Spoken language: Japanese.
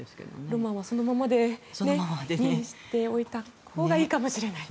ロマンはそのままにしておいたほうがいいかもしれない。